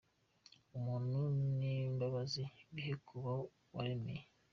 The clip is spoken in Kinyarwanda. ubuntu nimbabazi bibe ku bo waremye.